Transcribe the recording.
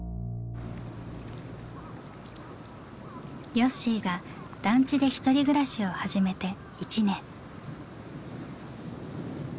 よっしーが団地で１人暮らしを始めて１年。